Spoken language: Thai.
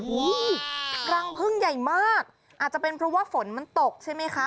รังพึ่งใหญ่มากอาจจะเป็นเพราะว่าฝนมันตกใช่ไหมคะ